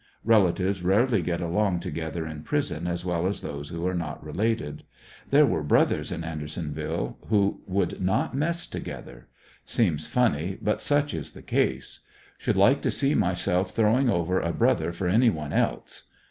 Relatives rarely get along together in prison as well as those who are not related. There were brothers in Anderson ville who would not mess together. Seems funny, but such is the case. Should like to see myself throwing over a brother for any one else.